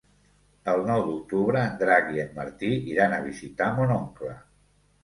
El nou d'octubre en Drac i en Martí iran a visitar mon oncle.